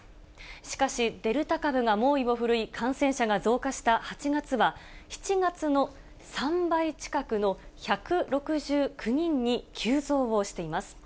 しかし、デルタ株が猛威を振るい、感染者が増加した８月は、７月の３倍近くの１６９人に急増しています。